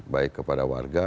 baik kepada warga